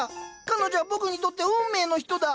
彼女は僕にとって運命の人だ。